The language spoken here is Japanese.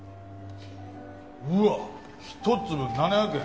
うわっひと粒７００円？